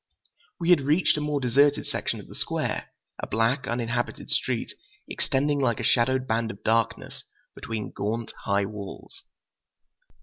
We had reached a more deserted section of the square, a black, uninhabited street extending like a shadowed band of darkness between gaunt, high walls.